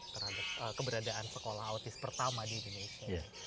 terhadap keberadaan sekolah autis pertama di indonesia